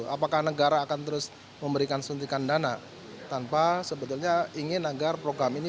apakah negara akan terus memberikan suntikan dana tanpa sebetulnya ingin agar program ini